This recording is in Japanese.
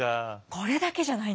これだけじゃないんです。